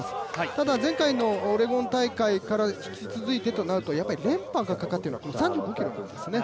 ただ前回のオレゴン大会から引き続いてとなると、やっぱり連覇がかかっている３５ｋｍなんですね。